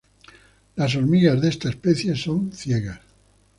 Las hormigas de esta especie son ciegas.